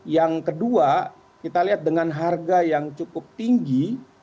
yang kedua kita lihat dengan harga yang cukup tinggi